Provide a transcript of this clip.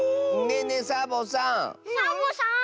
ねえねえサボさん。